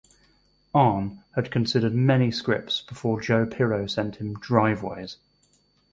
Ahn had considered many scripts before Joe Pirro sent him "Driveways".